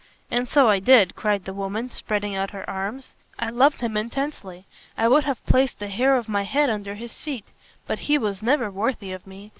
"And so I did," cried the woman, spreading out her arms, "I loved him intensely. I would have placed the hair of my head under his feet. But he was never worthy of me.